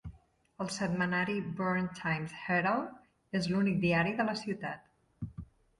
El setmanari "Burns Times-Herald" és l'únic diari de la ciutat.